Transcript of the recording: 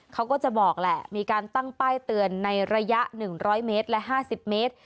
เขาก็จะบอกแหละมีการตั้งป้ายเตือนในระยะ๑๐๐เมตรและ๕๐เมตร